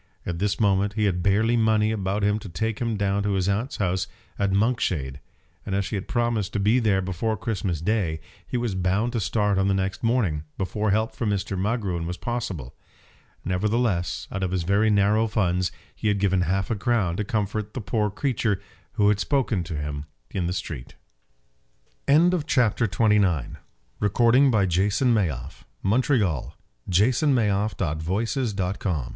At this moment he had barely money about him to take him down to his aunt's house at Monkshade, and as he had promised to be there before Christmas Day, he was bound to start on the next morning, before help from Mr. Magruin was possible. Nevertheless, out of his very narrow funds he had given half a crown to comfort the poor creature who had spoken to him in the street. CHAPTER XXX. Containing a Love Letter. Vavasor, as he sat alone in his room, after Fitzgerald